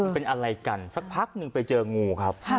เป็นอะไรกันสักพักหนึ่งไปเจองูครับ